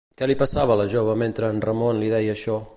Què li passava a la jove mentre en Ramon li deia això?